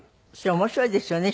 面白いですよね